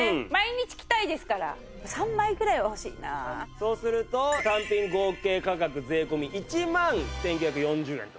そうすると単品合計価格税込１万１９４０円と。